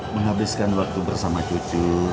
menghabiskan waktu bersama cucu